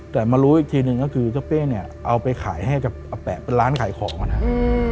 แต่มารู้อีกทีนึงก็คือเจ้าเป๊ย์เอาไปขายให้กับเป๊ย์เป็นร้านขายของก่อนครับ